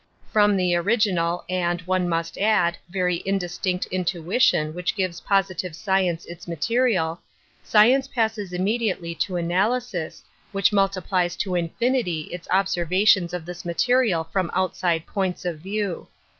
From the original, and, one must add, very indistinct intuition which gives positive science its material, science passes immediately to analysis, which multiplies to infinity its observations of this material from outside Metaphysics 33 points of view.